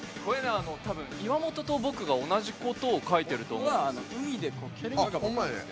岩本と僕が同じことを書いてると思うんですよ。